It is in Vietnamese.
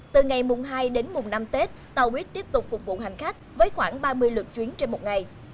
từ ngày mùng hai đến mùng năm tết tàu bích tiếp tục phục vụ hành khách với khoảng ba mươi lượt chuyến trên một ngày